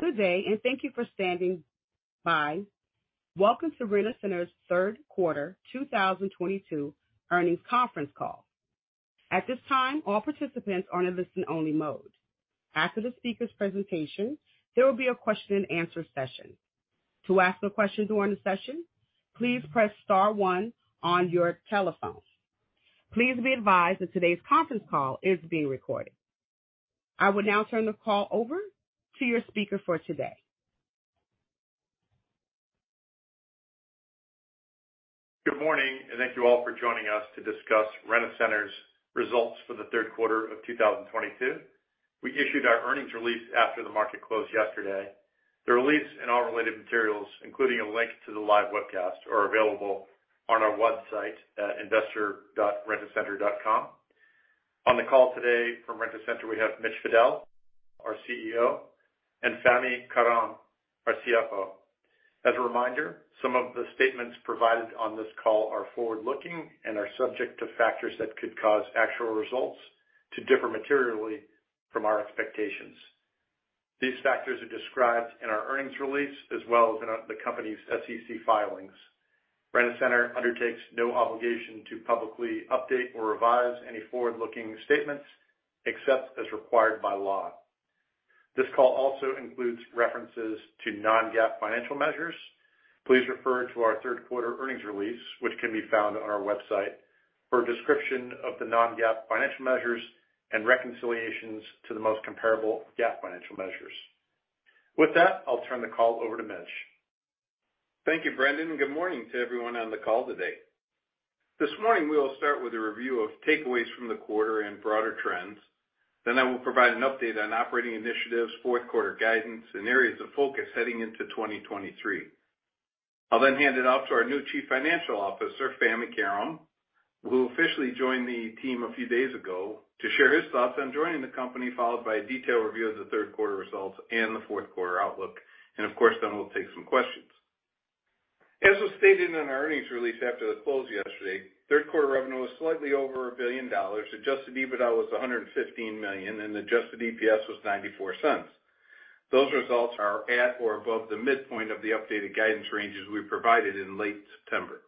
Good day and thank you for standing by. Welcome to Rent-A-Center's Q3 2022 Earnings Conference Call. At this time, all participants are in listen only mode. After the speaker's presentation, there will be a question-and-answer session. To ask a question during the session, please press star one on your telephone. Please be advised that today's conference call is being recorded. I will now turn the call over to your speaker for today. Good morning and thank you all for joining us to discuss Rent-A-Center's Results for the Q3 of 2022. We issued our earnings release after the market closed yesterday. The release and all related materials, including a link to the live webcast, are available on our website at investor.rentacenter.com. On the call today from Rent-A-Center, we have Mitch Fadel, our CEO, and Fahmi Karam, our CFO. As a reminder, some of the statements provided on this call are forward-looking and are subject to factors that could cause actual results to differ materially from our expectations. These factors are described in our earnings release as well as in our, the company's SEC filings. Rent-A-Center undertakes no obligation to publicly update or revise any forward-looking statements except as required by law. This call also includes references to non-GAAP financial measures. Please refer to our Q3 earnings release, which can be found on our website, for a description of the non-GAAP financial measures and reconciliations to the most comparable GAAP financial measures. With that, I'll turn the call over to Mitch. Thank you, Brendan, and good morning to everyone on the call today. This morning, we will start with a review of takeaways from the quarter and broader trends. I will provide an update on operating initiatives, Q4 guidance, and areas of focus heading into 2023. I'll then hand it off to our new Chief Financial Officer, Fahmi Karam, who officially joined the team a few days ago, to share his thoughts on joining the company, followed by a detailed review of the Q3 results and the Q4 outlook. Of course, then we'll take some questions. As was stated in our earnings release after the close yesterday, Q3 revenue was slightly over $1 billion. Adjusted EBITDA was $115 million, and adjusted EPS was $0.94. Those results are at or above the midpoint of the updated guidance ranges we provided in late September.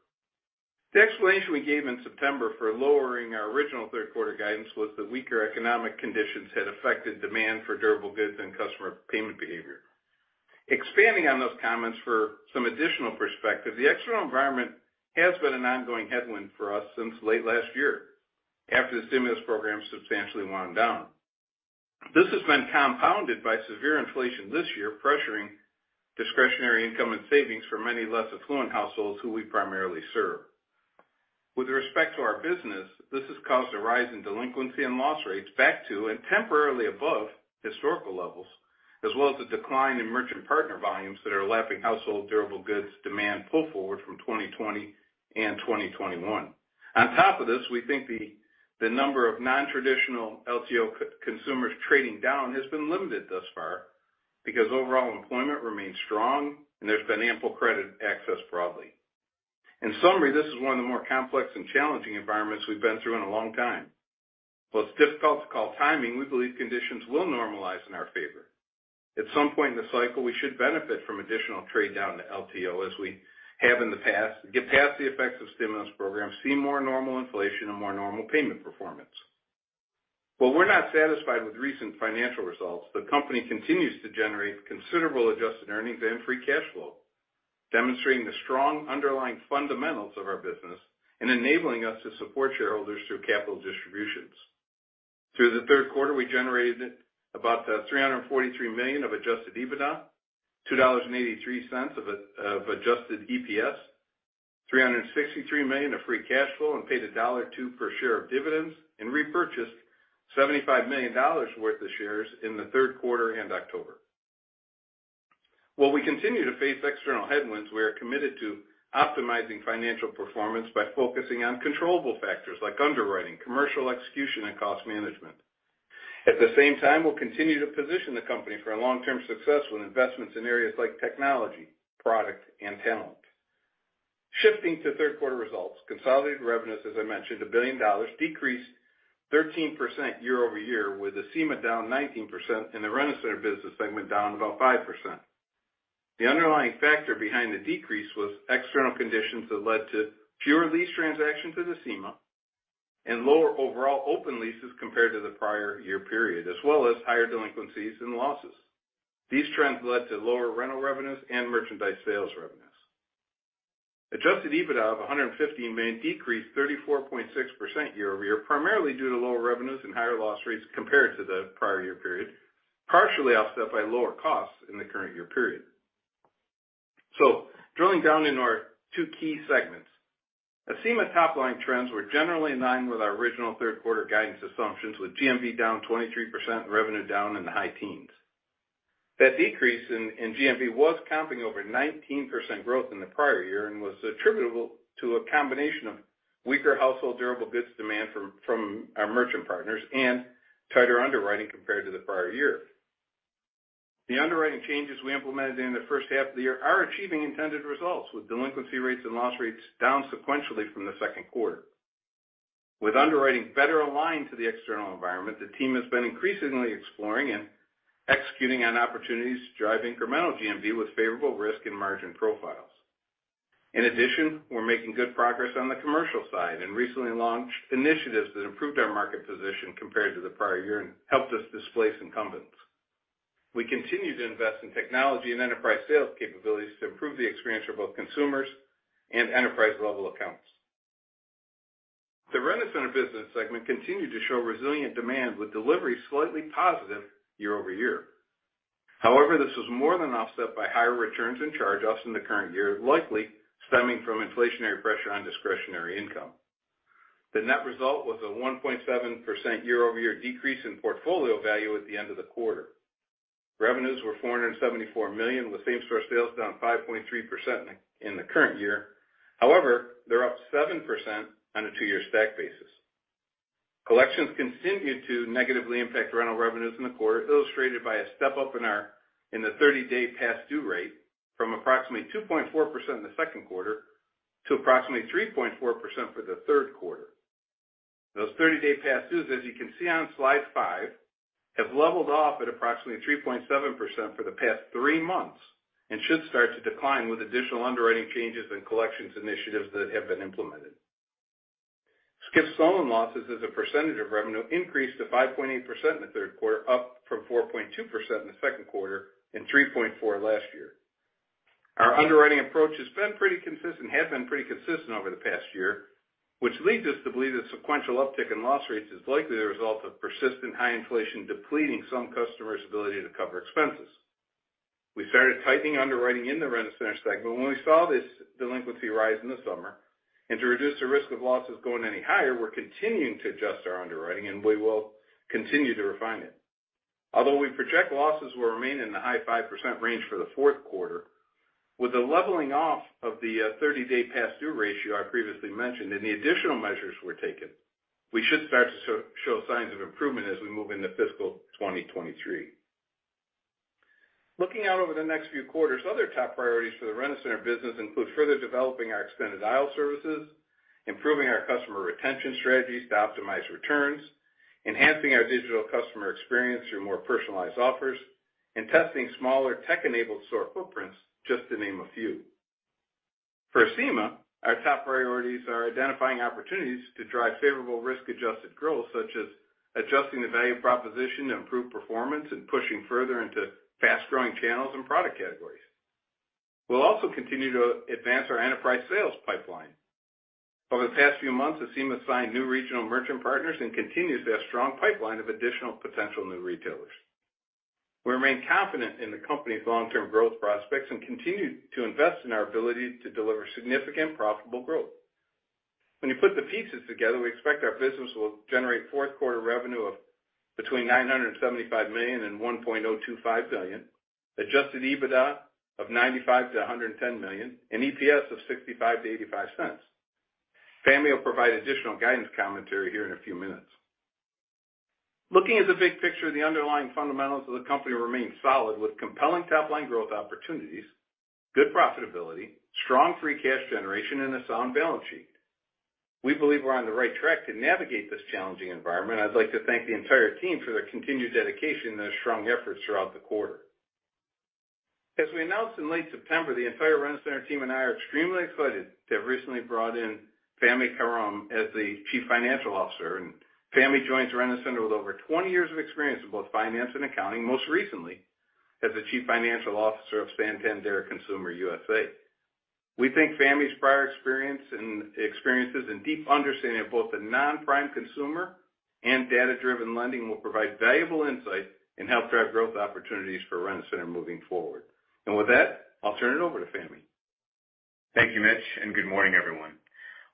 The explanation we gave in September for lowering our original Q3 guidance was that weaker economic conditions had affected demand for durable goods and customer payment behavior. Expanding on those comments for some additional perspective, the external environment has been an ongoing headwind for us since late last year after the stimulus program substantially wound down. This has been compounded by severe inflation this year, pressuring discretionary income and savings for many less affluent households who we primarily serve. With respect to our business, this has caused a rise in delinquency and loss rates back to and temporarily above historical levels, as well as a decline in merchant partner volumes that are lapping household durable goods demand pull forward from 2020 and 2021. On top of this, we think the number of non-traditional LTO co-consumers trading down has been limited thus far because overall employment remains strong and there's been ample credit access broadly. In summary, this is one of the more complex and challenging environments we've been through in a long time. While it's difficult to call timing, we believe conditions will normalize in our favor. At some point in the cycle, we should benefit from additional trade down to LTO as we have in the past, get past the effects of stimulus programs, see more normal inflation and more normal payment performance. While we're not satisfied with recent financial results, the company continues to generate considerable adjusted earnings and free cash flow, demonstrating the strong underlying fundamentals of our business and enabling us to support shareholders through capital distributions. Through the Q3, we generated about 343 million of adjusted EBITDA, $2.83 of adjusted EPS, $363 million of free cash flow, and paid $1.02 per share of dividends and repurchased $75 million worth of shares in the Q3 and October. While we continue to face external headwinds, we are committed to optimizing financial performance by focusing on controllable factors like underwriting, commercial execution, and cost management. At the same time, we'll continue to position the company for a long-term success with investments in areas like technology, product, and talent. Shifting to Q3 results, consolidated revenues, as I mentioned, $1 billion decreased 13% year-over-year, with Acima down 19% and the Rent-A-Center business segment down about 5%. The underlying factor behind the decrease was external conditions that led to fewer lease transactions with Acima and lower overall open leases compared to the prior year period, as well as higher delinquencies and losses. These trends led to lower rental revenues and merchandise sales revenues. Adjusted EBITDA of $115 million decreased 34.6% year-over-year, primarily due to lower revenues and higher loss rates compared to the prior year period, partially offset by lower costs in the current year period. Drilling down into our two key segments. Acima top-line trends were generally in line with our original Q3 guidance assumptions, with GMV down 23% and revenue down in the high teens. That decrease in GMV was comping over 19% growth in the prior year and was attributable to a combination of weaker household durable goods demand from our merchant partners and tighter underwriting compared to the prior year. The underwriting changes we implemented in the H1 of the year are achieving intended results, with delinquency rates and loss rates down sequentially from the Q2. With underwriting better aligned to the external environment, the team has been increasingly exploring and executing on opportunities to drive incremental GMV with favorable risk and margin profiles. In addition, we're making good progress on the commercial side and recently launched initiatives that improved our market position compared to the prior year and helped us displace incumbents. We continue to invest in technology and enterprise sales capabilities to improve the experience for both consumers and enterprise-level accounts. The Rent-A-Center business segment continued to show resilient demand, with delivery slightly positive year-over-year. However, this was more than offset by higher returns and charge-offs in the current year, likely stemming from inflationary pressure on discretionary income. The net result was a 1.7% year-over-year decrease in portfolio value at the end of the quarter. Revenues were $474 million, with same-store sales down 5.3% in the current year. However, they're up 7% on a two-year stack basis. Collections continued to negatively impact rental revenues in the quarter, illustrated by a step-up in the 30-day past due rate from approximately 2.4% in the Q2 to approximately 3.4% for the Q3. Those 30-day past dues, as you can see on slide five, have leveled off at approximately 3.7% for the past three months and should start to decline with additional underwriting changes and collections initiatives that have been implemented. Skip/stolen losses as a percentage of revenue increased to 5.8% in the Q3, up from 4.2% in the Q2 and 3.4% last year. Our underwriting approach has been pretty consistent over the past year, which leads us to believe the sequential uptick in loss rates is likely the result of persistent high inflation depleting some customers' ability to cover expenses. We started tightening underwriting in the Rent-A-Center segment when we saw this delinquency rise in the summer. To reduce the risk of losses going any higher, we're continuing to adjust our underwriting, and we will continue to refine it. Although we project losses will remain in the high 5% range for the Q4, with the leveling off of the thirty-day past due ratio I previously mentioned and the additional measures were taken, we should start to show signs of improvement as we move into fiscal 2023. Looking out over the next few quarters, other top priorities for the Rent-A-Center business include further developing our extended aisle services, improving our customer retention strategies to optimize returns, enhancing our digital customer experience through more personalized offers, and testing smaller tech-enabled store footprints, just to name a few. For Acima, our top priorities are identifying opportunities to drive favorable risk-adjusted growth, such as adjusting the value proposition to improve performance and pushing further into fast-growing channels and product categories. We'll also continue to advance our enterprise sales pipeline. Over the past few months, Acima signed new regional merchant partners and continues to have a strong pipeline of additional potential new retailers. We remain confident in the company's long-term growth prospects and continue to invest in our ability to deliver significant profitable growth. When you put the pieces together, we expect our business will generate Q4 revenue of between $975 million and $1.025 billion, adjusted EBITDA of $95-$110 million, and EPS of $0.65-$0.85. Fahmi will provide additional guidance commentary here in a few minutes. Looking at the big picture, the underlying fundamentals of the company remain solid, with compelling top-line growth opportunities, good profitability, strong free cash generation, and a sound balance sheet. We believe we're on the right track to navigate this challenging environment. I'd like to thank the entire team for their continued dedication and their strong efforts throughout the quarter. As we announced in late September, the entire Rent-A-Center team and I are extremely excited to have recently brought in Fahmi Karam as the Chief Financial Officer. Fahmi joins Rent-A-Center with over 20 years of experience in both finance and accounting, most recently as the Chief Financial Officer of Santander Consumer USA. We think Fahmi's prior experiences and deep understanding of both the non-prime consumer and data-driven lending will provide valuable insight and help drive growth opportunities for Rent-A-Center moving forward. With that, I'll turn it over to Fahmi. Thank you, Mitch, and good morning, everyone.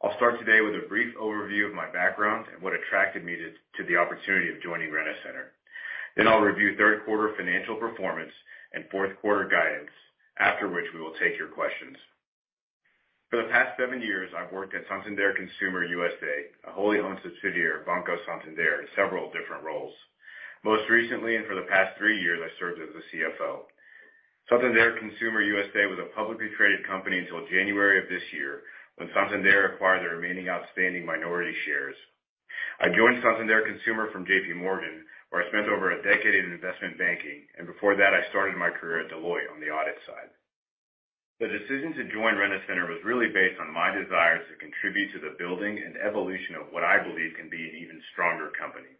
I'll start today with a brief overview of my background and what attracted me to the opportunity of joining Rent-A-Center. Then I'll review Q3 financial performance and Q4 guidance, after which we will take your questions. For the past seven years, I've worked at Santander Consumer USA, a wholly owned subsidiary of Banco Santander, in several different roles. Most recently, and for the past three years, I served as the CFO. Santander Consumer USA was a publicly traded company until January of this year, when Santander acquired the remaining outstanding minority shares. I joined Santander Consumer from JPMorgan, where I spent over a decade in investment banking, and before that, I started my career at Deloitte on the audit side. The decision to join Rent-A-Center was really based on my desires to contribute to the building and evolution of what I believe can be an even stronger company.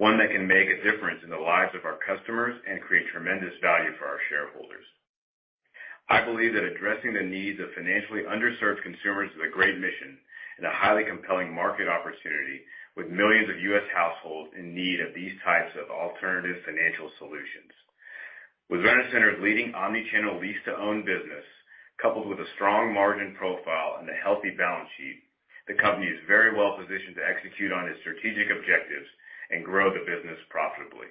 One that can make a difference in the lives of our customers and create tremendous value for our shareholders. I believe that addressing the needs of financially underserved consumers is a great mission and a highly compelling market opportunity, with millions of U.S. households in need of these types of alternative financial solutions. With Rent-A-Center's leading omni-channel lease-to-own business, coupled with a strong margin profile and a healthy balance sheet, the company is very well-positioned to execute on its strategic objectives and grow the business profitably.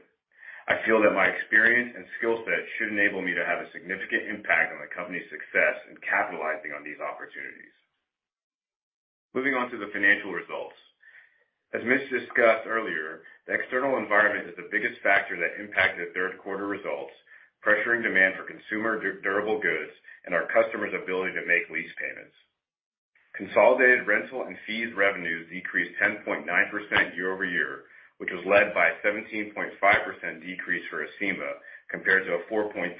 I feel that my experience and skill set should enable me to have a significant impact on the company's success in capitalizing on these opportunities. Moving on to the financial results. As Mitch discussed earlier, the external environment is the biggest factor that impacted Q3 results, pressuring demand for consumer durable goods and our customers' ability to make. Consolidated rental and fees revenues decreased 10.9% year-over-year, which was led by a 17.5% decrease for Acima compared to a 4.3%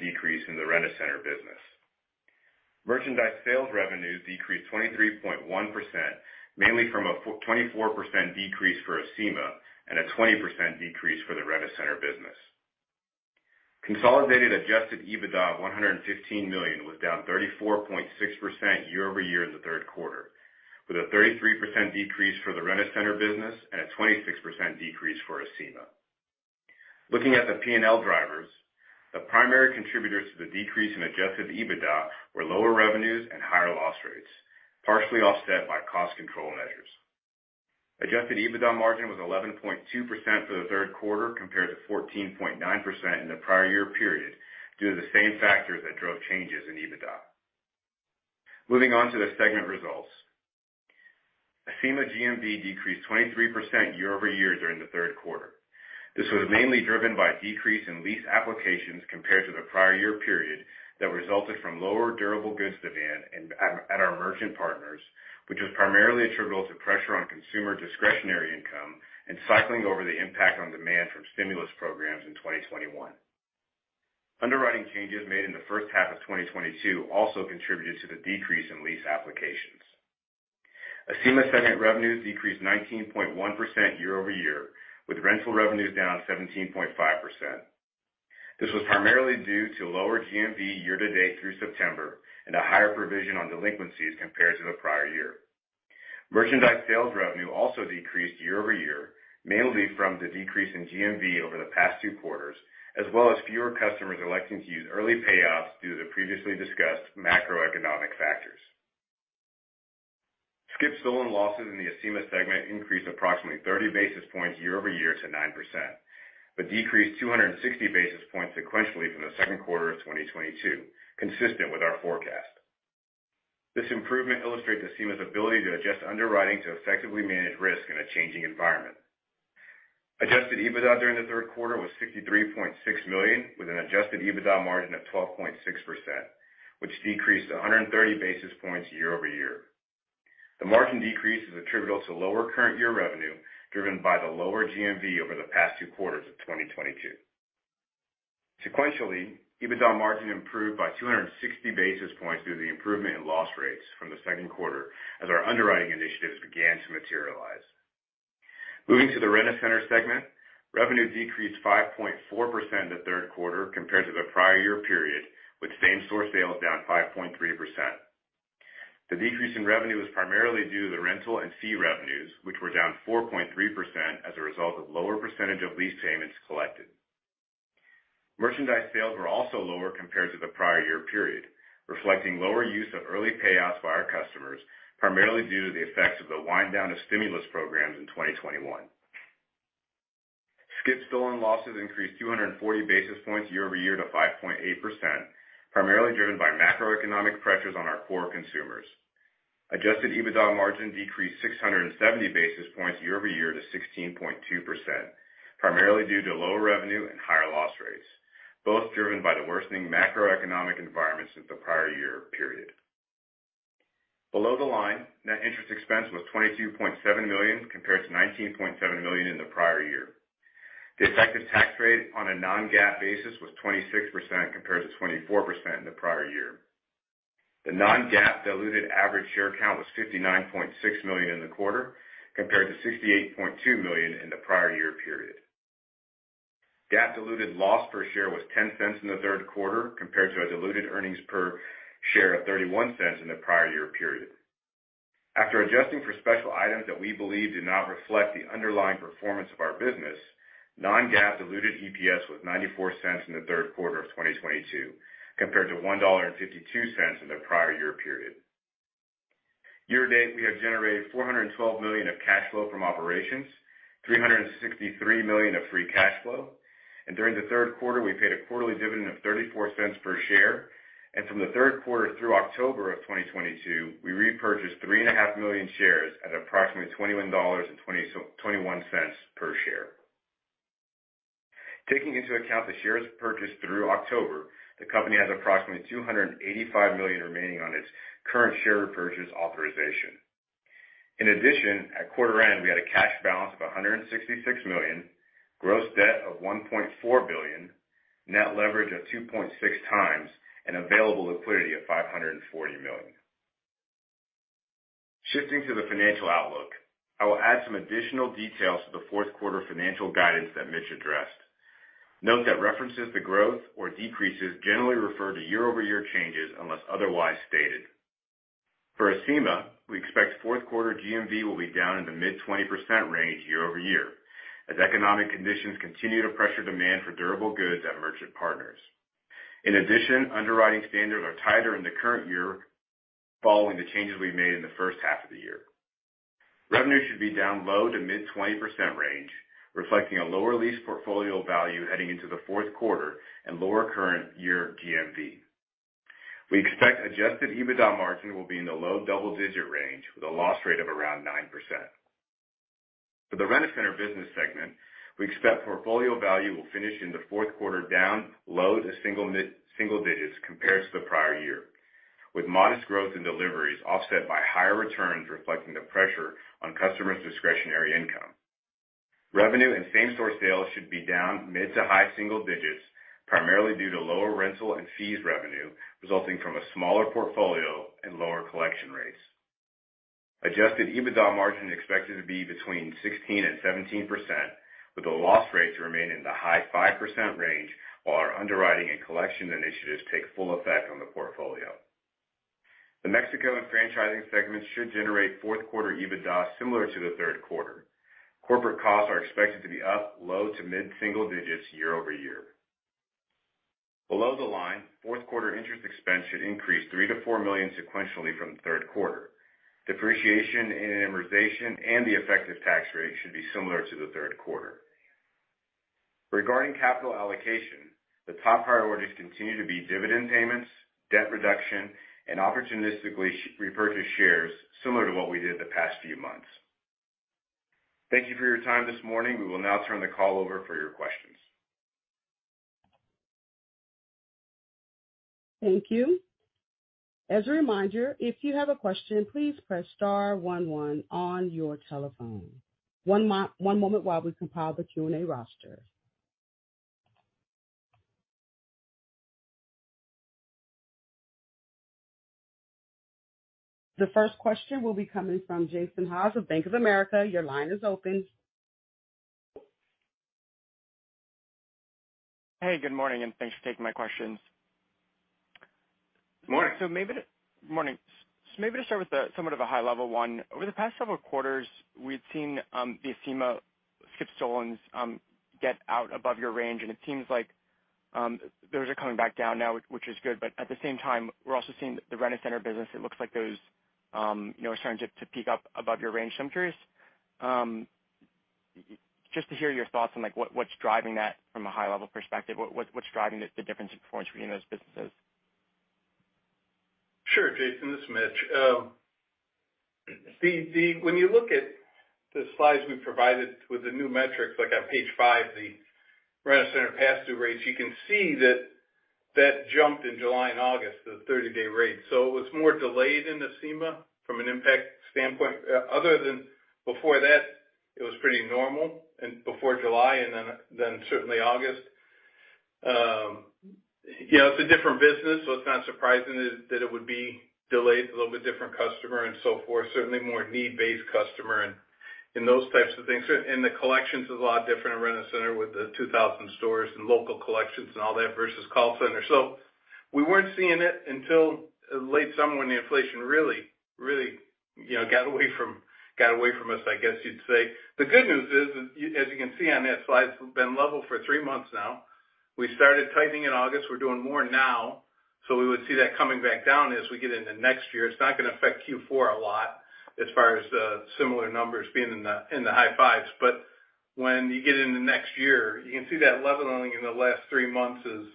decrease in the Rent-A-Center business. Merchandise sales revenues decreased 23.1%, mainly from a 24% decrease for Acima and a 20% decrease for the Rent-A-Center business. Consolidated adjusted EBITDA of $115 million was down 34.6% year-over-year in the Q3, with a 33% decrease for the Rent-A-Center business and a 26% decrease for Acima. Looking at the P&L drivers, the primary contributors to the decrease in adjusted EBITDA were lower revenues and higher loss rates, partially offset by cost control measures. Adjusted EBITDA margin was 11.2% for the Q3 compared to 14.9% in the prior year period due to the same factors that drove changes in EBITDA. Moving on to the segment results. Acima GMV decreased 23% year-over-year during the Q3. This was mainly driven by a decrease in lease applications compared to the prior year period that resulted from lower durable goods demand and our merchant partners, which was primarily attributable to pressure on consumer discretionary income and cycling over the impact on demand from stimulus programs in 2021. Underwriting changes made in the H1 of 2022 also contributed to the decrease in lease applications. Acima segment revenues decreased 19.1% year-over-year, with rental revenues down 17.5%. This was primarily due to lower GMV year to date through September and a higher provision on delinquencies compared to the prior year. Merchandise sales revenue also decreased year-over-year, mainly from the decrease in GMV over the past two quarters, as well as fewer customers electing to use early payoffs due to the previously discussed macroeconomic factors. Skip-stolen losses in the Acima segment increased approximately 30 basis points year-over-year to 9%, but decreased 260 basis points sequentially from the Q2 of 2022, consistent with our forecast. This improvement illustrates Acima's ability to adjust underwriting to effectively manage risk in a changing environment. Adjusted EBITDA during the Q3 was $63.6 million, with an adjusted EBITDA margin of 12.6%, which decreased 130 basis points year-over-year. The margin decrease is attributable to lower current year revenue driven by the lower GMV over the past two quarters of 2022. Sequentially, EBITDA margin improved by 260 basis points due to the improvement in loss rates from the Q2 as our underwriting initiatives began to materialize. Moving to the Rent-A-Center segment, revenue decreased 5.4% in the Q3 compared to the prior year period, with same store sales down 5.3%. The decrease in revenue was primarily due to the rental and fee revenues, which were down 4.3% as a result of lower percentage of lease payments collected. Merchandise sales were also lower compared to the prior year period, reflecting lower use of early payoffs by our customers, primarily due to the effects of the wind down of stimulus programs in 2021. Skip/stolen losses increased 240 basis points year-over-year to 5.8%, primarily driven by macroeconomic pressures on our core consumers. Adjusted EBITDA margin decreased 670 basis points year-over-year to 16.2%, primarily due to lower revenue and higher loss rates, both driven by the worsening macroeconomic environment since the prior year period. Below the line, net interest expense was $22.7 million compared to $19.7 million in the prior year. The effective tax rate on a non-GAAP basis was 26% compared to 24% in the prior year. The non-GAAP diluted average share count was 59.6 million in the quarter compared to 68.2 million in the prior year period. GAAP diluted loss per share was $0.10 in the Q3 compared to a diluted earnings per share of $0.31 in the prior year period. After adjusting for special items that we believe did not reflect the underlying performance of our business, non-GAAP diluted EPS was $0.94 in the Q3 of 2022 compared to $1.52 in the prior year period. Year to date, we have generated $412 million of cash flow from operations, $363 million of free cash flow. During the Q3, we paid a quarterly dividend of $0.34 per share. From the Q3 through October 2022, we repurchased 3.5 million shares at approximately $21.21 per share. Taking into account the shares purchased through October, the company has approximately 285 million remaining on its current share repurchase authorization. In addition, at quarter end, we had a cash balance of $166 million, gross debt of $1.4 billion, net leverage of 2.6x, and available liquidity of $540 million. Shifting to the financial outlook, I will add some additional details to the Q4 financial guidance that Mitch addressed. Note that references to growth or decreases generally refer to year-over-year changes unless otherwise stated. For Acima, we expect Q4 GMV will be down in the mid-20% range year-over-year as economic conditions continue to pressure demand for durable goods at merchant partners. In addition, underwriting standards are tighter in the current year following the changes we made in the H1 of the year. Revenue should be down low-to-mid-20% range, reflecting a lower lease portfolio value heading into the Q4 and lower current year GMV. We expect adjusted EBITDA margin will be in the low double-digit range with a loss rate of around 9%. For the Rent-A-Center business segment, we expect portfolio value will finish in the Q4 down low- to single digits compared to the prior year, with modest growth in deliveries offset by higher returns reflecting the pressure on customers' discretionary income. Revenue and same-store sales should be down mid- to high-single digits, primarily due to lower rental and fees revenue resulting from a smaller portfolio and lower collection rates. Adjusted EBITDA margin is expected to be between 16% and 17%, with the loss rate to remain in the high 5% range while our underwriting and collection initiatives take full effect on the portfolio. The Mexico and franchising segments should generate Q4 EBITDA similar to the Q3. Corporate costs are expected to be up low- to mid-single digits year-over-year. Below the line, Q4 interest expense should increase $3 million-$4 million sequentially from the Q3. Depreciation and amortization and the effective tax rate should be similar to the Q3. Regarding capital allocation, the top priorities continue to be dividend payments, debt reduction, and opportunistically repurchase shares similar to what we did the past few months. Thank you for your time this morning. We will now turn the call over for your questions. Thank you. As a reminder, if you have a question, please press star one one on your telephone. One moment while we compile the Q&A roster. The first question will be coming from Jason Haas of Bank of America. Your line is open. Hey, good morning, and thanks for taking my questions. Morning. Morning. Maybe to start with somewhat of a high level one. Over the past several quarters, we've seen the Acima skip/stolen losses get out above your range. It seems like those are coming back down now, which is good, but at the same time, we're also seeing the Rent-A-Center business. It looks like those, you know, are starting to peak up above your range. I'm curious just to hear your thoughts on, like, what's driving that from a high level perspective, what's driving the difference in performance between those businesses? Sure, Jason, this is Mitch. When you look at the slides we provided with the new metrics, like on page five, the Rent-A-Center past due rates, you can see that jumped in July and August, the 30-day rate. It was more delayed in Acima from an impact standpoint. Other than before that, it was pretty normal, and before July and then certainly August. You know, it's a different business, so it's not surprising that it would be delayed. It's a little bit different customer and so forth, certainly more need-based customer and those types of things. The collections are a lot different in Rent-A-Center with the 2,000 stores and local collections and all that versus call center. We weren't seeing it until late summer when the inflation really, you know, got away from us, I guess you'd say. The good news is, as you can see on that slide, it's been level for three months now. We started tightening in August. We're doing more now. We would see that coming back down as we get into next year. It's not gonna affect Q4 a lot as far as the similar numbers being in the high fives. But when you get into next year, you can see that leveling in the last three months is,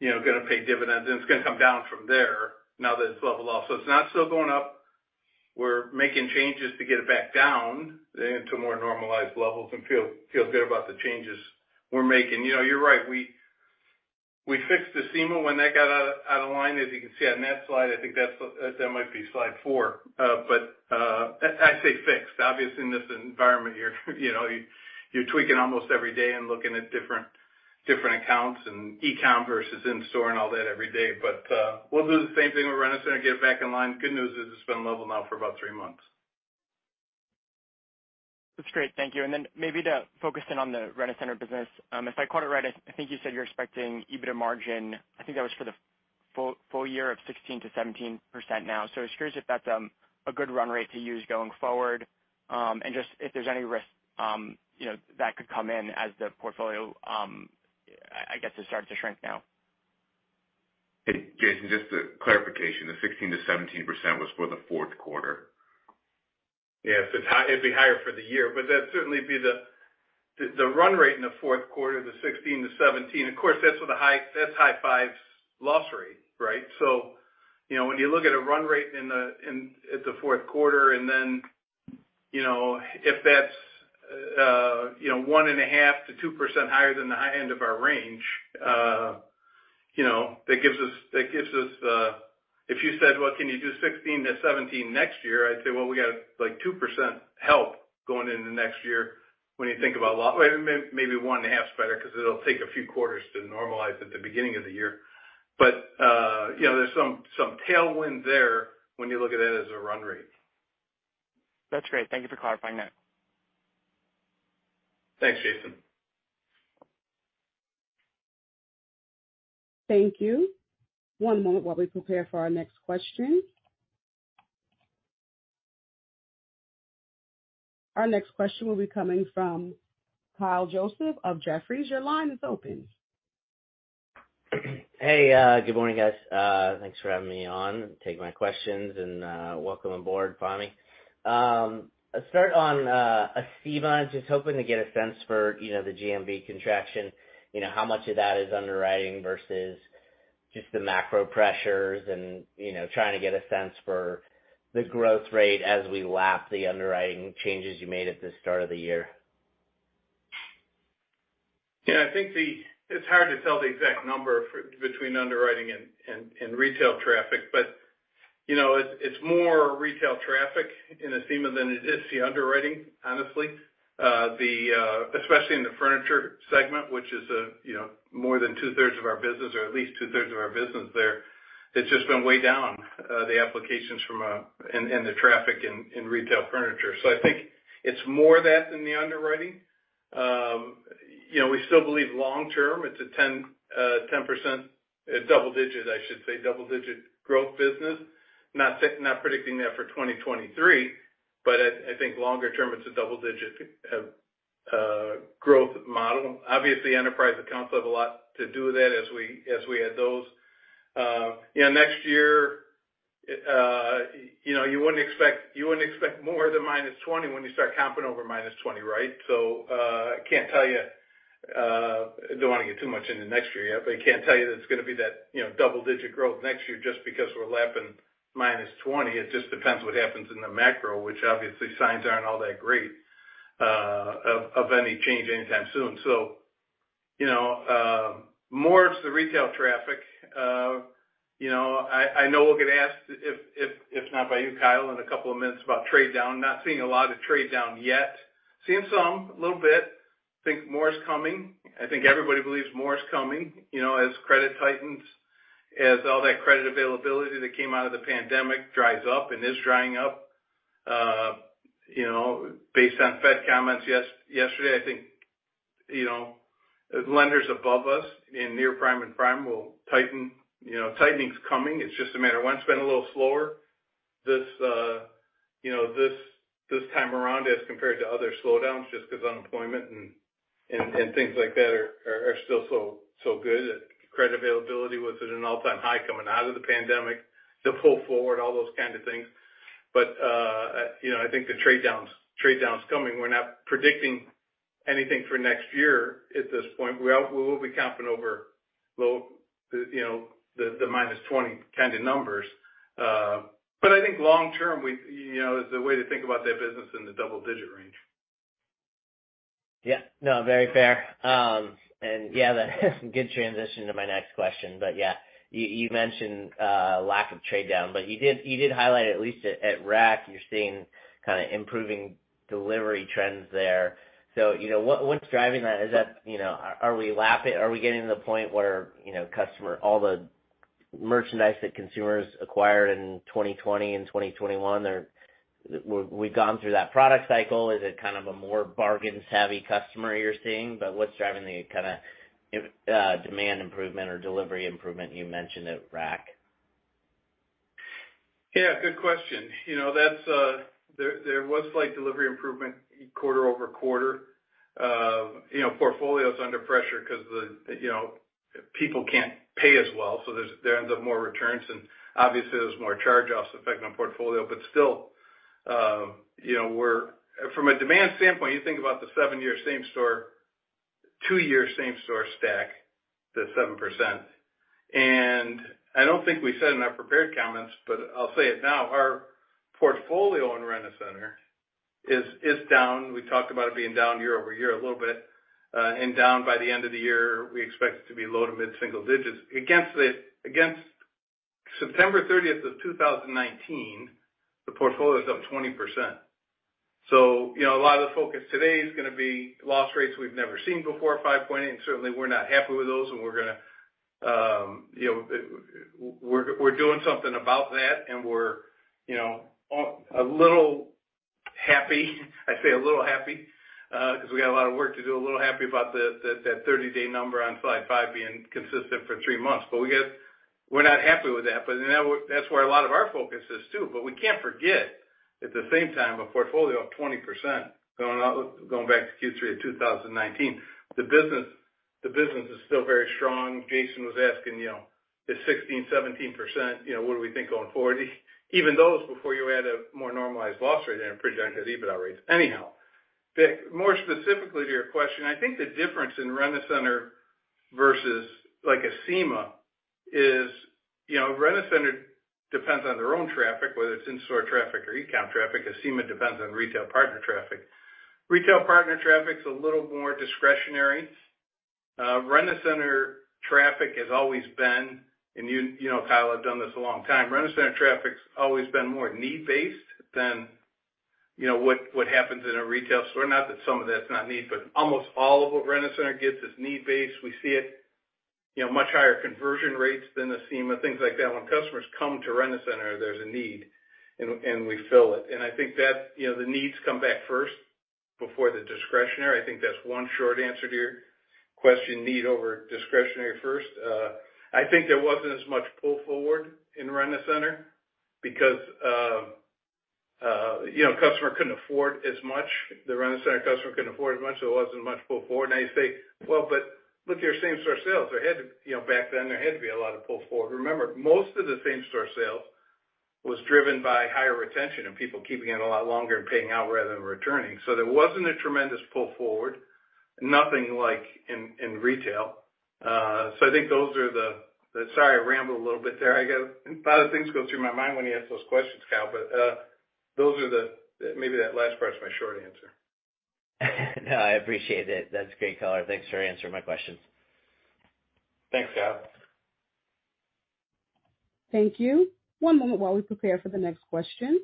you know, gonna pay dividends, and it's gonna come down from there now that it's leveled off. It's not still going up. We're making changes to get it back down into more normalized levels and feel good about the changes we're making. You know, you're right. We fixed Acima when that got out of line, as you can see on that slide. I think that might be slide four. I'd say fixed. Obviously, in this environment here, you know, you're tweaking almost every day and looking at different accounts and e-com versus in-store and all that every day. We'll do the same thing with Rent-A-Center, get it back in line. Good news is it's been level now for about three months. That's great. Thank you. Then maybe to focus in on the Rent-A-Center business, if I caught it right, I think you said you're expecting EBITDA margin, I think that was for the full year of 16%-17% now. Just curious if that's a good run rate to use going forward. Just if there's any risk, you know, that could come in as the portfolio, I guess it starts to shrink now. Hey, Jason, just a clarification. The 16%-17% was for the Q4. Yes, it's high. It'd be higher for the year, but that'd certainly be the run rate in the Q4, the 16%-17%. Of course, that's with a high fives loss rate, right? You know, when you look at a run rate at the Q4, and then, you know, if that's one and a half to two percent higher than the high end of our range, you know, that gives us. If you said, "Well, can you do 16-17 next year?" I'd say, "Well, we got, like, 2% help going into next year when you think about maybe 1.5% is better because it'll take a few quarters to normalize at the beginning of the year." You know, there's some tailwind there when you look at it as a run rate. That's great. Thank you for clarifying that. Thanks, Jason. Thank you. One moment while we prepare for our next question. Our next question will be coming from Kyle Joseph of Jefferies. Your line is open. Hey, good morning, guys. Thanks for having me on and taking my questions, and welcome aboard, Fahmi. Let's start on Acima. Just hoping to get a sense for, you know, the GMV contraction, you know, how much of that is underwriting versus just the macro pressures and, you know, trying to get a sense for the growth rate as we lap the underwriting changes you made at the start of the year. Yeah, I think it's hard to tell the exact number for between underwriting and retail traffic, but you know, it's more retail traffic in Acima than it is the underwriting, honestly. Especially in the furniture segment, which is, you know, more than two-thirds of our business or at least two-thirds of our business there. It's just been way down, the applications from and the traffic in retail furniture. I think it's more that than the underwriting. You know, we still believe long term it's a 10%, double digit, I should say double digit growth business. Not predicting that for 2023, but I think longer term it's a double digit growth model. Obviously, enterprise accounts have a lot to do with that as we add those. You know, next year, you know, you wouldn't expect more than -20% when you start comping over -20%, right? I can't tell you, don't wanna get too much into next year yet, but I can't tell you that it's gonna be that, you know, double digit growth next year just because we're lapping -20%. It just depends what happens in the macro, which obviously signs aren't all that great, of any change anytime soon. You know, more it's the retail traffic. You know, I know we'll get asked if not by you, Kyle, in a couple of minutes about trade down. Not seeing a lot of trade down yet. Seeing some, a little bit. Think more is coming. I think everybody believes more is coming, you know, as credit tightens, as all that credit availability that came out of the pandemic dries up and is drying up. You know, based on Fed comments yesterday, I think, you know, as lenders above us in near prime and prime will tighten. You know, tightening is coming. It's just a matter when. It's been a little slower this time around as compared to other slowdowns just 'cause unemployment and things like that are still so good. Credit availability was at an all-time high coming out of the pandemic. The pull forward, all those kinds of things. You know, I think the trade down's coming. We're not predicting anything for next year at this point. We will be comping over low, you know, the -20 kind of numbers. I think long-term, we, you know, is the way to think about that business in the double-digit range. Yeah. No, very fair. That's a good transition to my next question. You mentioned lack of trade down, but you did highlight at least at Rent-A-Center, you're seeing kind of improving delivery trends there. You know, what's driving that? Is that, you know, are we lapping? Are we getting to the point where, you know, all the merchandise that consumers acquired in 2020 and 2021, we've gone through that product cycle. Is it kind of a more bargain-savvy customer you're seeing? What's driving the kind of demand improvement or delivery improvement you mentioned at Rent-A-Center? Yeah, good question. You know, that's there was slight delivery improvement quarter-over-quarter. You know, portfolios under pressure 'cause, you know, people can't pay as well, so there ends up more returns and obviously there's more charge-offs affecting our portfolio. But still, from a demand standpoint, you think about the seven-year same store, two-year same store stack, the 7%. I don't think we said it in our prepared comments, but I'll say it now. Our portfolio in Rent-A-Center is down. We talked about it being down year-over-year a little bit. Down by the end of the year, we expect it to be low- to mid-single digits%. Against September 30, 2019, the portfolio is up 20%. You know, a lot of the focus today is gonna be loss rates we've never seen before, 5.8%, and certainly we're not happy with those and we're gonna, you know, we're doing something about that and we're, you know, a little happy. I say a little happy 'cause we got a lot of work to do. A little happy about that 30-day number on slide five being consistent for three months. We're not happy with that. That's where a lot of our focus is too. We can't forget, at the same time, a portfolio of 20% going back to Q3 of 2019. The business is still very strong. Jason was asking, you know, is 16, 17%, you know, what do we think going forward? Even those before you add a more normalized loss rate and projected EBITDA rates. Anyhow, more specifically to your question, I think the difference in Rent-A-Center versus like Acima is, you know, Rent-A-Center depends on their own traffic, whether it's in-store traffic or e-com traffic. Acima depends on retail partner traffic. Retail partner traffic's a little more discretionary. Rent-A-Center traffic has always been, and you know, Kyle, I've done this a long time. Rent-A-Center traffic's always been more need-based than, you know, what happens in a retail store. Not that some of that's not need, but almost all of what Rent-A-Center gets is need-based. We see it, you know, much higher conversion rates than Acima, things like that. When customers come to Rent-A-Center, there's a need and we fill it. I think that's, you know, the needs come back first before the discretionary. I think that's one short answer to your question, need over discretionary first. I think there wasn't as much pull forward in Rent-A-Center because, you know, customer couldn't afford as much. The Rent-A-Center customer couldn't afford as much, so there wasn't much pull forward. Now, you say, "Well, but look at your same store sales, there had to, you know, back then there had to be a lot of pull forward." Remember, most of the same store sales was driven by higher retention and people keeping it a lot longer and paying out rather than returning. So, there wasn't a tremendous pull forward. Nothing likes in retail. So, I think those are the sorry I rambled a little bit there. I get a lot of things go through my mind when you ask those questions, Kyle, but those are the. Maybe that last part is my short answer. No, I appreciate it. That's a great color. Thanks for answering my questions. Thanks, Kyle. Thank you. One moment while we prepare for the next question.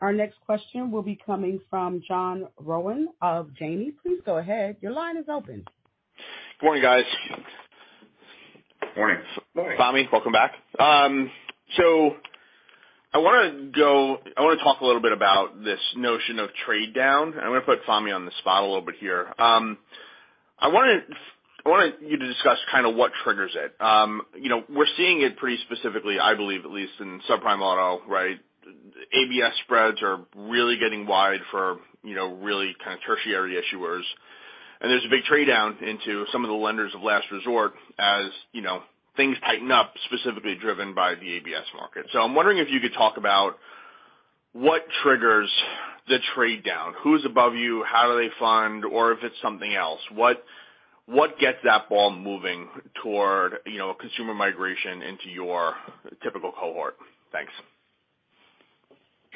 Our next question will be coming from John Rowan of Janney. Please go ahead. Your line is open. Good morning, guys. Morning. Morning. Fahmi, welcome back. I wanna talk a little bit about this notion of trade down, and I'm gonna put Fahmi on the spot a little bit here. I wanted you to discuss kind of what triggers it. You know, we're seeing it pretty specifically, I believe, at least in subprime auto, right? ABS spreads are really getting wide for, you know, really kind of tertiary issuers. There's a big trade-down into some of the lenders of last resort, as, you know, things tighten up, specifically driven by the ABS market. I'm wondering if you could talk about what triggers the trade-down, who's above you? How do they fund? Or if it's something else, what gets that ball moving toward, you know, consumer migration into your typical cohort? Thanks.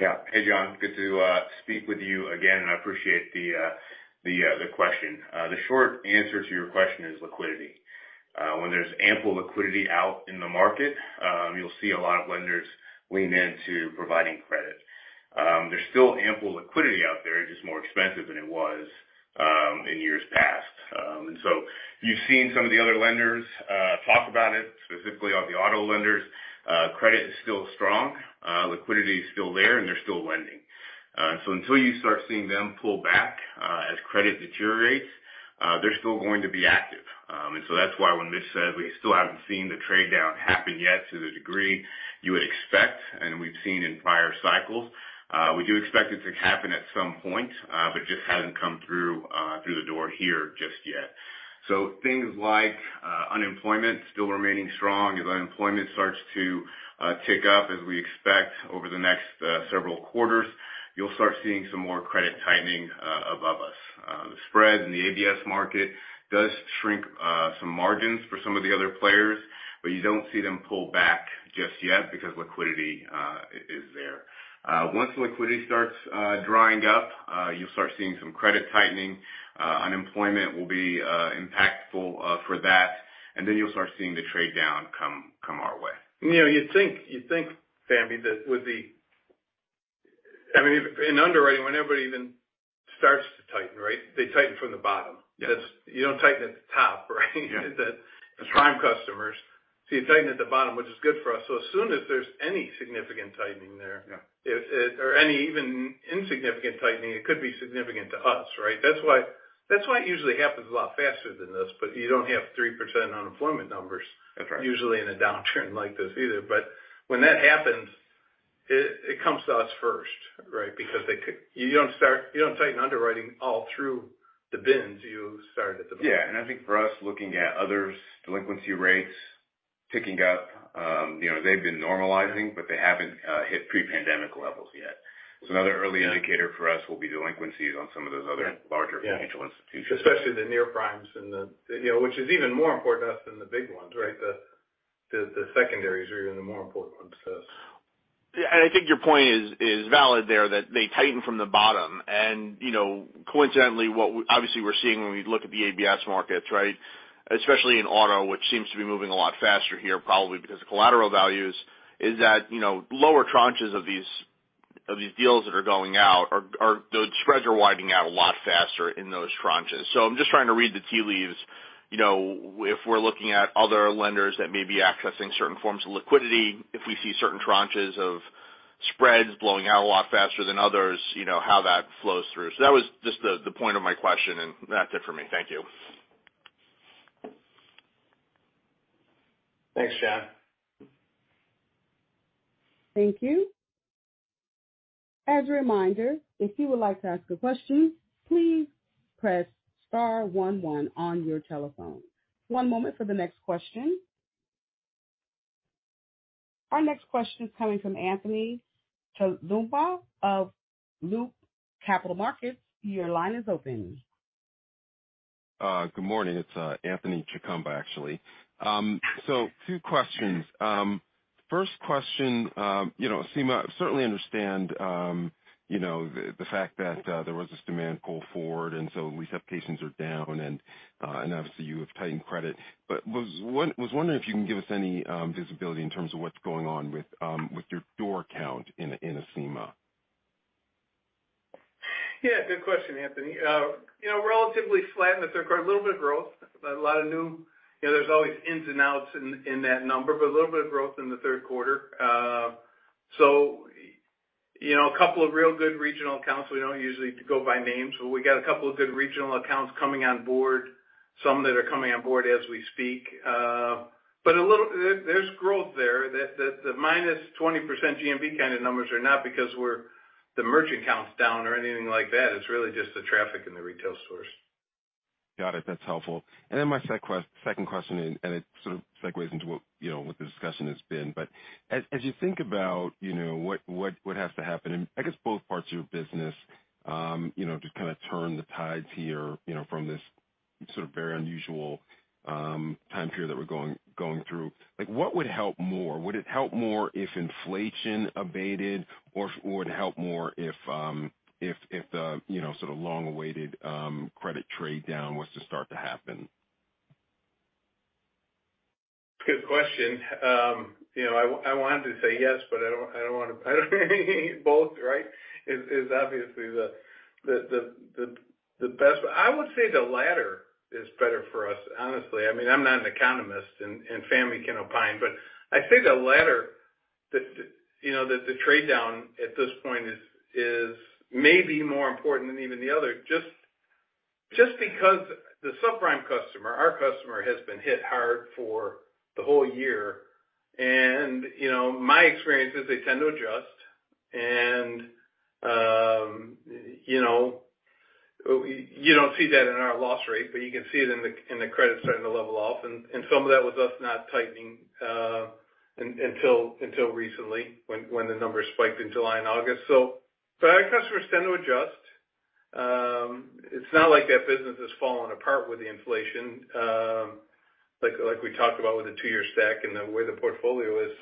Yeah. Hey, John, good to speak with you again, and I appreciate the question. The short answer to your question is liquidity. When there's ample liquidity out in the market, you'll see a lot of lenders lean into providing credit. There's still ample liquidity out there, just more expensive than it was in years past. You've seen some of the other lenders talk about it, specifically on the auto lenders. Credit is still strong, liquidity is still there, and they're still lending. Until you start seeing them pull back as credit deteriorates, they're still going to be active. That's why when Mitch said we still haven't seen the trade-down happen yet to the degree you would expect and we've seen in prior cycles, we do expect it to happen at some point but just hasn't come through through the door here just yet. Things like unemployment still remaining strong. As unemployment starts to tick up, as we expect over the next several quarters, you'll start seeing some more credit tightening above us. The spreads in the ABS market does shrink some margins for some of the other players, but you don't see them pull back just yet because liquidity is there. Once liquidity starts drying up, you'll start seeing some credit tightening. Unemployment will be impactful for that, and then you'll start seeing the trade-down come our way. You know, you'd think, Fahmi, that with the I mean, in underwriting, when everybody even starts to tighten, right, they tighten from the bottom. Yes. You don't tighten at the top, right? Yeah. The prime customers. You tighten at the bottom, which is good for us. As soon as there's any significant tightening there. Yeah. Any even insignificant tightening could be significant to us, right? That's why it usually happens a lot faster than this, but you don't have 3% unemployment numbers. That's right. Usually in a downturn like this either. When that happens, it comes to us first, right? Because you don't tighten underwriting all through the bins. You start at the bottom. Yeah. I think for us, looking at others' delinquency rates ticking up, you know, they've been normalizing, but they haven't hit pre-pandemic levels yet. Another early indicator for us will be delinquencies on some of those other larger financial institutions. Especially the near primes and the, you know, which is even more important to us than the big ones, right? The secondaries are even the more important ones so. Yeah. I think your point is valid there, that they tighten from the bottom. You know, coincidentally, obviously we're seeing when we look at the ABS markets, right? Especially in auto, which seems to be moving a lot faster here, probably because of collateral values, is that, you know, lower tranches of these deals that are going out are the spreads widening out a lot faster in those tranches. I'm just trying to read the tea leaves, you know, if we're looking at other lenders that may be accessing certain forms of liquidity, if we see certain tranches of spreads blowing out a lot faster than others, you know how that flows through. That was just the point of my question, and that's it for me. Thank you. Thanks, John. Thank you. As a reminder, if you would like to ask a question, please press star one one on your telephone. One moment for the next question. Our next question is coming from Anthony Chukumba of Loop Capital Markets. Your line is open. Good morning. It's Anthony Chukumba, actually. So two questions. First question, you know, Acima, certainly understand, you know, the fact that there was this demand pull forward, and so receptions are down and obviously you have tightened credit. But was wondering if you can give us any visibility in terms of what's going on with your door count in Acima. Yeah, good question, Anthony. You know, relatively flat in the Q3. A little bit of growth. You know, there's always ins and outs in that number, but a little bit of growth in the Q3. So, you know, a couple of real good regional accounts. We don't usually go by names, but we got a couple of good regional accounts coming on board, some that are coming on board as we speak. But there's growth there that the -20% GMV kind of numbers are not because the merchant count's down or anything like that. It's really just the traffic in the retail stores. Got it. That's helpful. Then my second question, and it sort of segues into what, you know, what the discussion has been. As you think about, you know, what has to happen in, I guess, both parts of your business, you know, to kind of turn the tides here, you know, from this sort of very unusual time period that we're going through. Like, what would help more? Would it help more if inflation abated or would it help more if the, you know, sort of long-awaited credit trade-down was to start to happen? Good question. You know, I wanted to say yes, but I don't wanna both, right? Is obviously the best. I would say the latter is better for us, honestly. I mean, I'm not an economist and Fahmi can opine, but I'd say the latter. You know, the trade-down at this point is maybe more important than even the other. Just because the subprime customer, our customer, has been hit hard for the whole year. You know, my experience is they tend to adjust. You know, you don't see that in our loss rate, but you can see it in the credit starting to level off. Some of that was us not tightening until recently, when the numbers spiked in July and August. Our customers tend to adjust. It's not like that business has fallen apart with the inflation, like we talked about with the two-year stack and the way the portfolio is.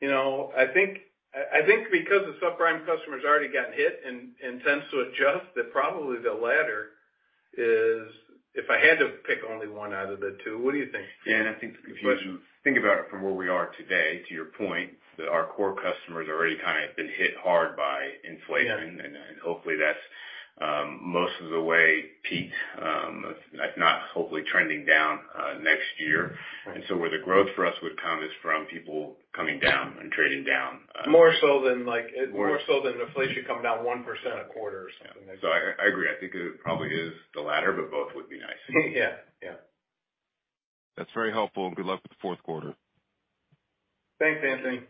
You know, I think because the subprime customer's already gotten hit and tends to adjust, that probably the latter is if I had to pick only one out of the two. What do you think, Fahmi? Yeah. I think if you think about it from where we are today, to your point, that our core customers already kind of been hit hard by inflation. Yeah. Hopefully that's most of the way peaked, if not hopefully trending down next year. Right. Where the growth for us would come is from people coming down and trading down. More so than like- More- More so than inflation coming down 1% a quarter or something like that. I agree. I think it probably is the latter, but both would be nice. Yeah. Yeah. That's very helpful and good luck with the Q4. Thanks, Anthony.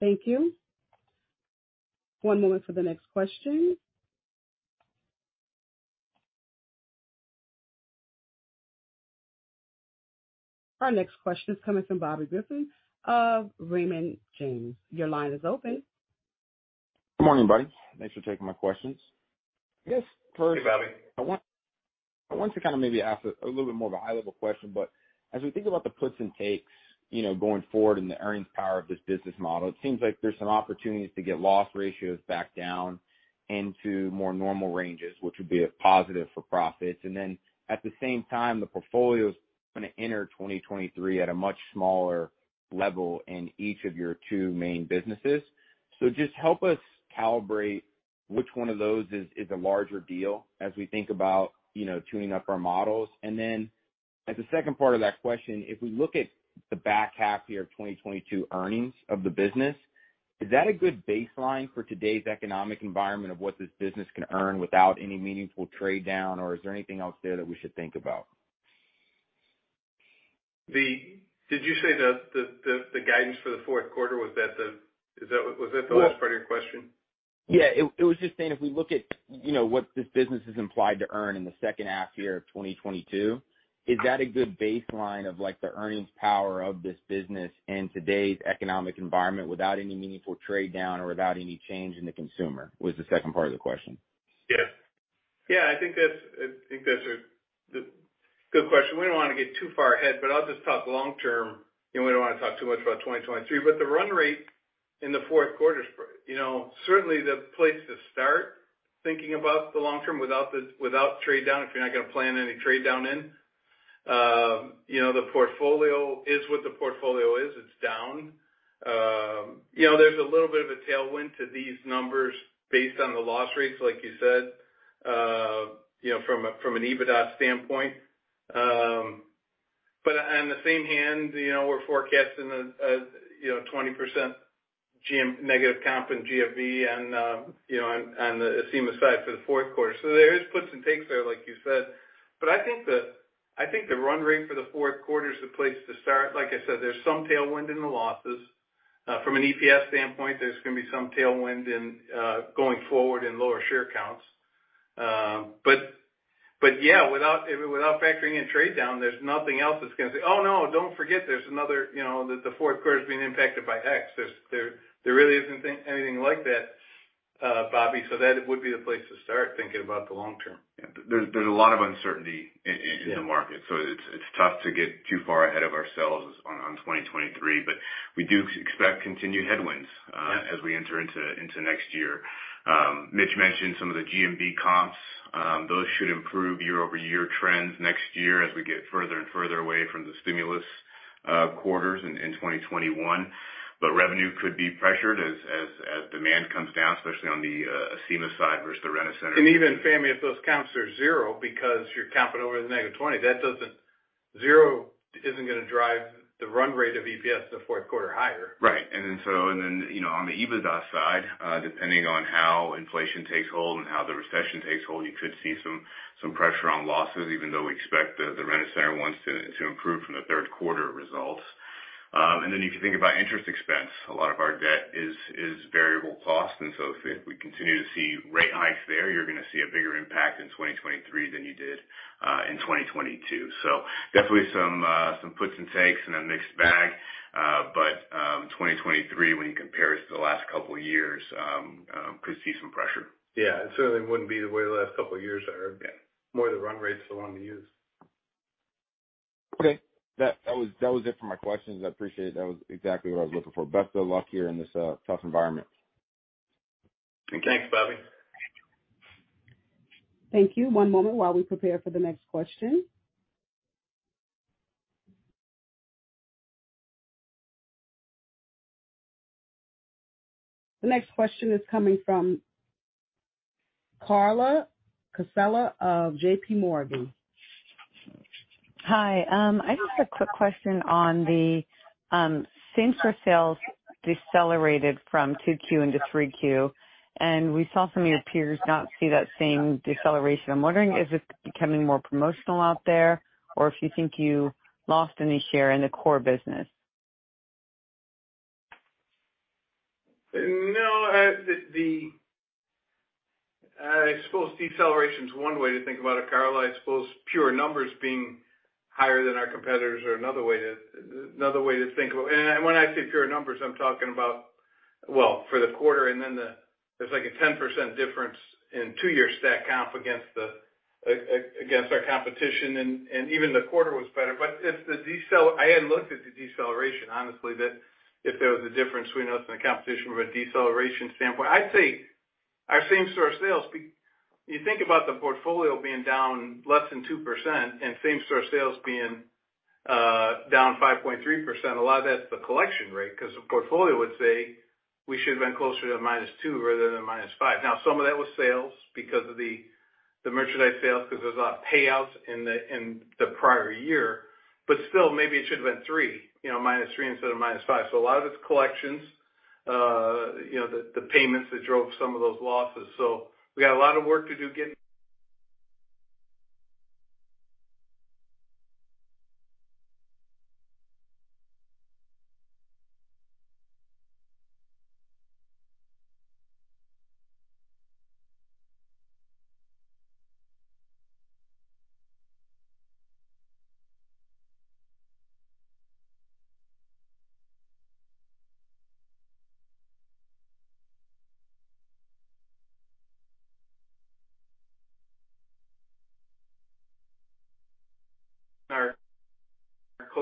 Thank you. One moment for the next question. Our next question is coming from Bobby Griffin of Raymond James. Your line is open. Good morning, Bobby. Thanks for taking my questions. Yes. Hey, Bobby. I want to kind of maybe ask a little bit more of a high-level question, but as we think about the puts and takes, you know, going forward in the earnings power of this business model, it seems like there's some opportunities to get loss ratios back down into more normal ranges, which would be a positive for profits. Then at the same time, the portfolio's gonna enter 2023 at a much smaller level in each of your two main businesses. Just help us calibrate which one of those is a larger deal as we think about, you know, tuning up our models. As a second part of that question, if we look at the back half year of 2022 earnings of the business, is that a good baseline for today's economic environment of what this business can earn without any meaningful trade-down? Or is there anything else there that we should think about? Did you say the guidance for the Q4? Was that the last part of your question? Yeah. It was just saying if we look at, you know, what this business is implied to earn in the H2 of 2022, is that a good baseline of like the earnings power of this business in today's economic environment without any meaningful trade down or without any change in the consumer? Was the second part of the question. Yeah. Yeah, I think that's a good question. We don't wanna get too far ahead, but I'll just talk long-term. You know, we don't wanna talk too much about 2023, but the run rate in the Q4 is, you know, certainly the place to start thinking about the long-term without trade down if you're not gonna plan any trade down in. You know, the portfolio is what the portfolio is. It's down. You know, there's a little bit of a tailwind to these numbers based on the loss rates, like you said, you know, from an EBITDA standpoint. But on the other hand, you know, we're forecasting a 20% negative comp in GMV and, you know, on the Acima side for the Q4. There is puts and takes there, like you said. I think the run rate for the Q4 is the place to start. Like I said, there's some tailwind in the losses. From an EPS standpoint, there's gonna be some tailwind in going forward in lower share counts. But yeah, without factoring in trade down, there's nothing else that's gonna say, "Oh, no, don't forget there's another, you know, the Q4 is being impacted by X." There's really isn't anything like that, Bobby. That would be the place to start thinking about the long term. Yeah. There's a lot of uncertainty in the market. It's tough to get too far ahead of ourselves on 2023. We do expect continued headwinds. Yeah As we enter into next year. Mitch mentioned some of the GMV comps. Those should improve year-over-year trends next year as we get further and further away from the stimulus quarters in 2021. Revenue could be pressured as demand comes down, especially on the Acima side versus the Rent-A-Center- Even, Fahmi, if those comps are zero because you're comping over the -20, zero isn't gonna drive the run rate of EPS the Q4 higher. You know, on the EBITDA side, depending on how inflation takes hold and how the recession takes hold, you could see some pressure on losses, even though we expect the Rent-A-Center ones to improve from the Q3 results. If you think about interest expense, a lot of our debt is variable rate, and so if we continue to see rate hikes there, you're gonna see a bigger impact in 2023 than you did in 2022. Definitely some puts and takes and a mixed bag. 2023, when you compare it to the last couple of years, could see some pressure. Yeah, it certainly wouldn't be the way the last couple of years are. Yeah. More on the run rates along the years. Okay. That was it for my questions. I appreciate it. That was exactly what I was looking for. Best of luck here in this tough environment. Thanks, Bobby. Thank you. One moment while we prepare for the next question. The next question is coming from Carla Casella of JPMorgan. Hi. I just had a quick question on the same store sales decelerated from 2Q into 3Q, and we saw some of your peers not see that same deceleration. I'm wondering, is it becoming more promotional out there, or if you think you lost any share in the core business? I suppose deceleration is one way to think about it, Carla. I suppose pure numbers being higher than our competitors are another way to think about. When I say pure numbers, I'm talking about, well, for the quarter and then the. There's like a 10% difference in two-year stack comp against our competition, and even the quarter was better. If the decel I hadn't looked at the deceleration, honestly, that if there was a difference between us and the competition from a deceleration standpoint. I'd say our same store sales. You think about the portfolio being down less than 2% and same store sales being down 5.3%, a lot of that's the collection rate because the portfolio would say we should have been closer to -2 rather than -5. Now, some of that was sales because of the merchandise sales, because there's a lot of payouts in the prior year. Still, maybe it should have been, you know, -3% instead of -5%. A lot of it's collections, you know, the payments that drove some of those losses. We got a lot of work to do getting our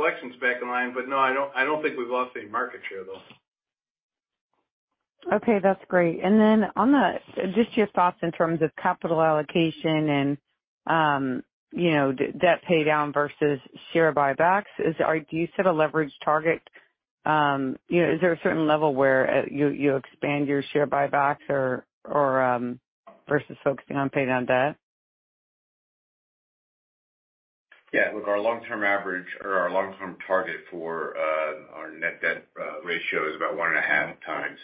collections back in line. No, I don't think we've lost any market share, though. Okay, that's great. Just your thoughts in terms of capital allocation and, you know, debt paydown versus share buybacks. Do you set a leverage target? You know, is there a certain level where you expand your share buybacks or versus focusing on paying down debt? Yeah. Look, our long-term average or our long-term target for our net debt ratio is about 1.5 times.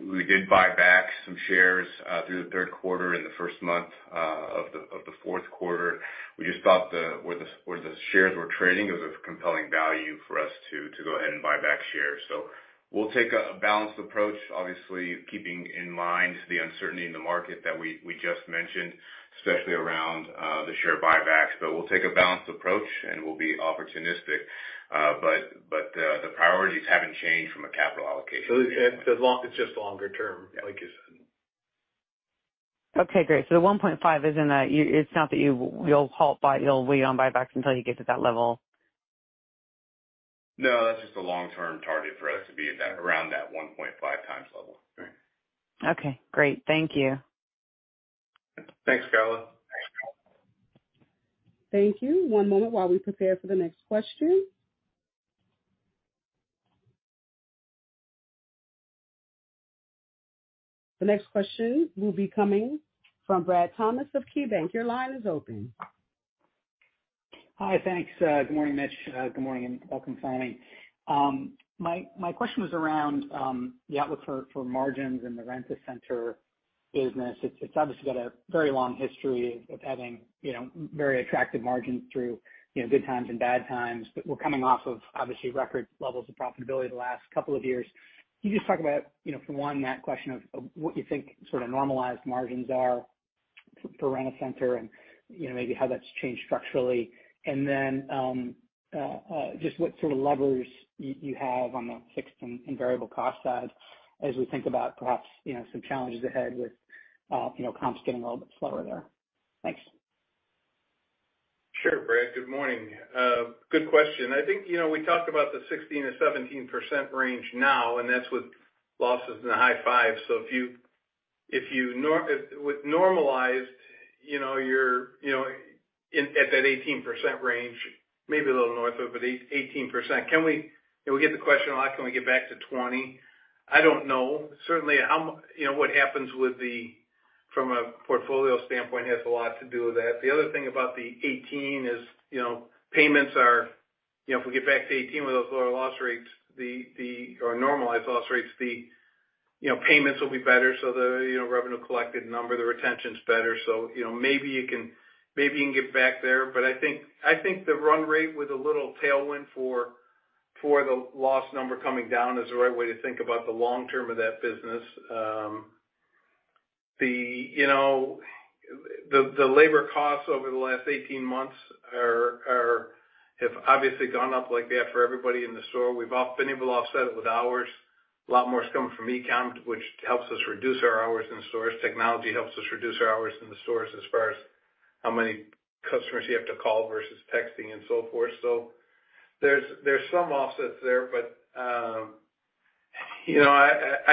We did buy back some shares through the Q3 and the first month of the Q4. We just thought where the shares were trading, it was a compelling value for us to go ahead and buy back shares. We'll take a balanced approach, obviously, keeping in mind the uncertainty in the market that we just mentioned, especially around the share buybacks. We'll take a balanced approach, and we'll be opportunistic. The priorities haven't changed from a capital allocation standpoint. It's just longer term. Yeah. Like you said. Okay, great. The 1.5 is. It's not that you'll halt. You'll wait on buybacks until you get to that level? No, that's just a long-term target for us to be at that, around that 1.5 times level. Right. Okay, great. Thank you. Thanks, Carla. Thank you. One moment while we prepare for the next question. The next question will be coming from Brad Thomas of KeyBanc. Your line is open. Hi. Thanks. Good morning, Mitch. Good morning and welcome, Tony. My question was around the outlook for margins in the Rent-A-Center business. It's obviously got a very long history of having, you know, very attractive margins through, you know, good times and bad times. But we're coming off of, obviously, record levels of profitability the last couple of years. Can you just talk about, you know, for one, that question of what you think sort of normalized margins are for Rent-A-Center and, you know, maybe how that's changed structurally? Just what sort of levers you have on the fixed and variable cost side as we think about perhaps, you know, some challenges ahead with, you know, comps getting a little bit slower there. Thanks. Sure, Brad. Good morning. Good question. I think, you know, we talked about the 16%-17% range now, and that's with losses in the high 5s. With normalized, you know, you're, you know, at that 18% range, maybe a little north of it, 18%. Can we. You know, we get the question a lot, can we get back to 20%? I don't know. Certainly. You know, what happens from a portfolio standpoint has a lot to do with that. The other thing about the 18% is, you know, payments are. You know, if we get back to 18% with those lower loss rates, the or normalized loss rates, the, you know, payments will be better. So the, you know, revenue collected number, the retention's better. You know, maybe you can get back there. I think the run rate with a little tailwind for the loss number coming down is the right way to think about the long term of that business. The labor costs over the last 18 months have obviously gone up like they have for everybody in the store. We've been able to offset it with hours. A lot more is coming from e-com, which helps us reduce our hours in stores. Technology helps us reduce our hours in the stores as far as how many customers you have to call versus texting and so forth. There's some offsets there, but I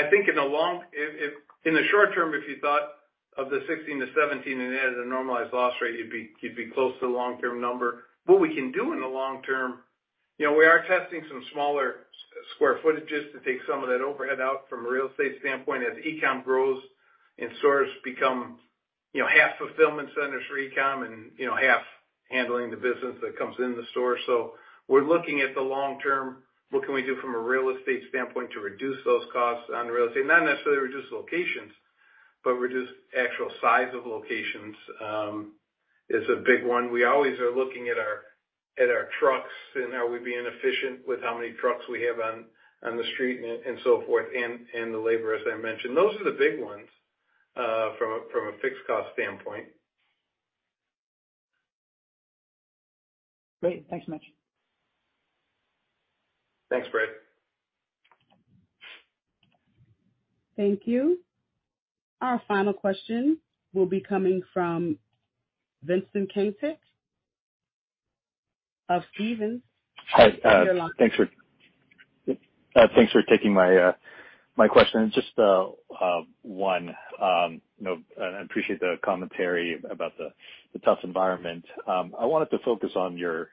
think in the short term, if you thought of the 16%-17% as a normalized loss rate, you'd be close to the long-term number. What we can do in the long term, we are testing some smaller sq ft to take some of that overhead out from a real estate standpoint as e-com grows and stores become half fulfillment centers for e-com and half handling the business that comes in the store. We're looking at the long term, what can we do from a real estate standpoint to reduce those costs on the real estate? Not necessarily reduce locations but reduce actual size of locations is a big one. We always are looking at our trucks and are we being efficient with how many trucks we have on the street and so forth, and the labor, as I mentioned. Those are the big ones, from a fixed cost standpoint. Great. Thanks so much. Thanks, Brad. Thank you. Our final question will be coming from Vincent Caintic of Stephens. Hi. Your line. Thanks for taking my question. Just one, you know, I appreciate the commentary about the tough environment. I wanted to focus on your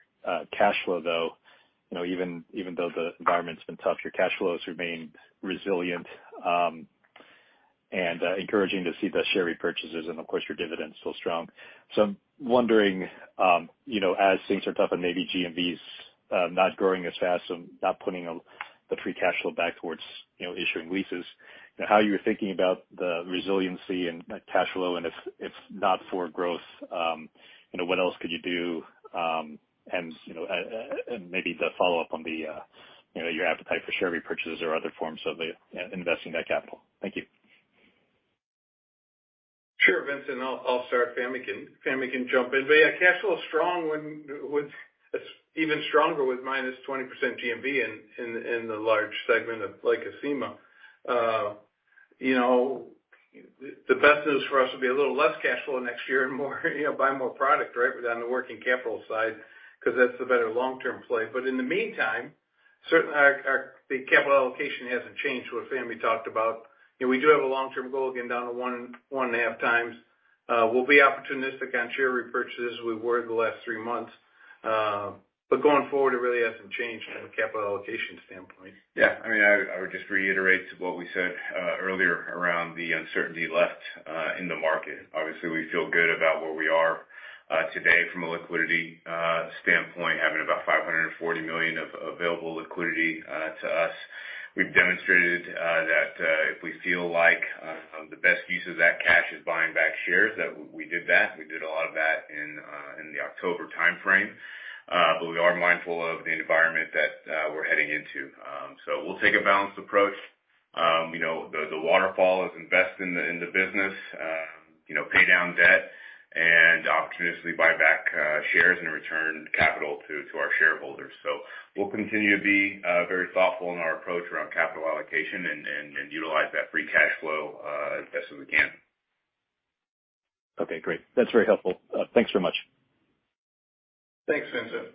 cash flow, though. You know, even though the environment's been tough, your cash flow has remained resilient, and encouraging to see the share repurchases and of course, your dividends still strong. I'm wondering, you know, as things are tough and maybe GMVs not growing as fast and not putting the free cash flow back towards, you know, issuing leases, how you're thinking about the resiliency and cash flow, and if not for growth, you know, what else could you do? You know, and maybe to follow up on the, you know, your appetite for share repurchases or other forms of investing that capital. Thank you. Sure, Vincent. I'll start. Fahmi can jump in. The cash flow is strong when it's even stronger with -20% GMV in the large segment of, like, Acima. You know, the best news for us will be a little less cash flow next year and more, you know, buy more product, right, down the working capital side, 'cause that's the better long-term play. In the meantime, our capital allocation hasn't changed what Fahmi talked about. You know, we do have a long-term goal of getting down to 1.5 times. We'll be opportunistic on share repurchases as we were the last three months. Going forward, it really hasn't changed from a capital allocation standpoint. Yeah. I mean, I would just reiterate what we said earlier around the uncertainty left in the market. Obviously, we feel good about where we are today from a liquidity standpoint, having about $540 million of available liquidity to us. We've demonstrated that if we feel like the best use of that cash is buying back shares, that we did that. We did a lot of that in the October timeframe. We are mindful of the environment that we're heading into. We'll take a balanced approach. You know, the waterfall is invested in the business, you know, pay down debt and opportunistically buy back shares and return capital to our shareholders. We'll continue to be very thoughtful in our approach around capital allocation and utilize that free cash flow as best as we can. Okay, great. That's very helpful. Thanks very much. Thanks, Vincent.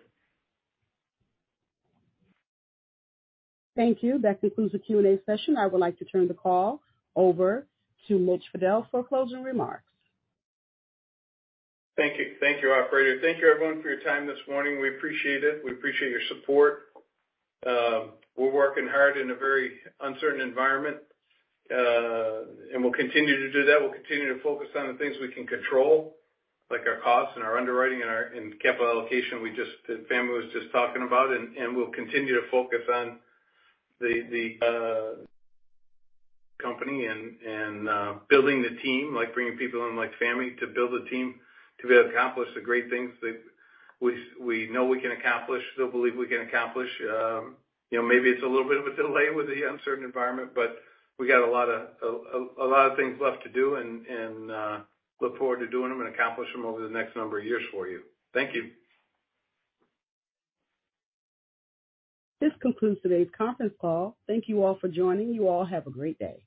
Thank you. That concludes the Q&A session. I would like to turn the call over to Mitch Fadel for closing remarks. Thank you. Thank you, operator. Thank you, everyone for your time this morning. We appreciate it. We appreciate your support. We're working hard in a very uncertain environment, and we'll continue to do that. We'll continue to focus on the things we can control, like our costs and our underwriting and our capital allocation. That Fahmi was just talking about, and we'll continue to focus on the company and building the team, like bringing people in like Fahmi to build a team, to be able to accomplish the great things that we know we can accomplish, still believe we can accomplish. You know, maybe it's a little bit of a delay with the uncertain environment, but we got a lot of things left to do and look forward to doing them and accomplish them over the next number of years for you. Thank you. This concludes today's conference call. Thank you all for joining. You all have a great day.